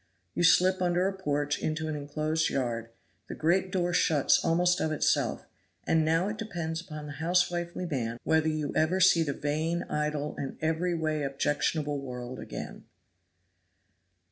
You slip under a porch into an inclosed yard, the great door shuts almost of itself, and now it depends upon the housewifely man whether you ever see the vain, idle and every way objectionable world again.